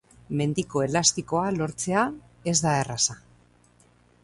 Mendiko elastikoa lortzea ez da erraza.